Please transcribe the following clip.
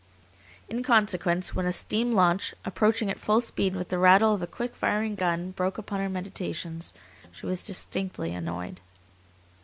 In consequence, when a steam launch, approaching at full speed with the rattle of a quick firing gun, broke upon her meditations, she was distinctly annoyed.